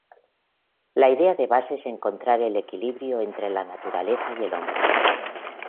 La idea de base es encontrar el equilibrio entre la Naturaleza y el Hombre.